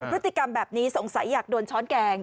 พฤติกรรมแบบนี้สงสัยอยากโดนช้อนแกง